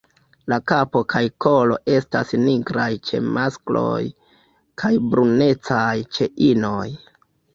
La kapo kaj kolo estas nigraj ĉe maskloj kaj brunecaj ĉe inoj.